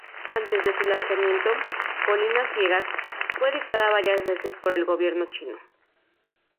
Antes de su lanzamiento, "Colinas ciegas" fue editada varias veces por el gobierno chino.